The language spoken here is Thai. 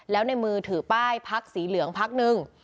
แล้วในมือถือป้ายพักสีเหลืองพักหนึ่ง